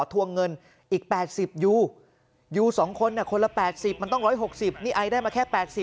ทวงเงินอีก๘๐อยู่อยู่๒คนคนละ๘๐มันต้อง๑๖๐นี่ไอได้มาแค่๘๐